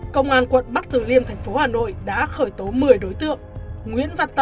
công an quận bắc tử liên thành phố hà nội đã khởi tố một mươi đối tượng